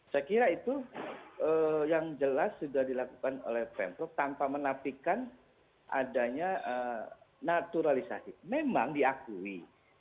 saya kira itu yang jelas sudah dilakukan oleh pemprov tanpa menapikan adanya naturalisasi memang diakui